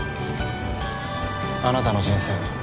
あなたの人生